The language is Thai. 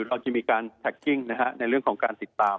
เราจะมีการแท็กกิ้งในเรื่องของการติดตาม